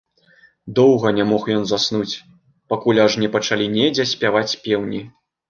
Доўга не мог ён заснуць, пакуль аж не пачалі недзе спяваць пеўні.